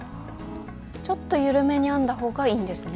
ちょっと緩めに編んだ方がいいんですね。